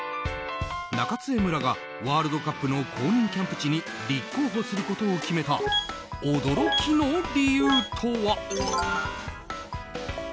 中津江村がワールドカップの公認キャンプ地に立候補することを決めた驚きの理由とは。